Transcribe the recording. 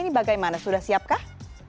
ini bagaimana sudah siapkah